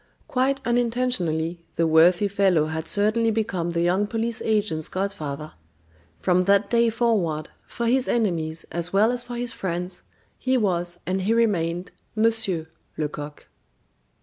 Quite unintentionally, the worthy fellow had certainly become the young police agent's godfather. From that day forward, for his enemies as well as for his friends, he was and he remained "Monsieur" Lecoq.